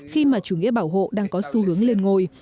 khi mà chủ nghĩa bảo hộ đang có xu hướng lên ngôi